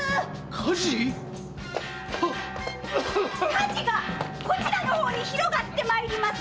火事⁉火事がこちらの方に広がってまいります！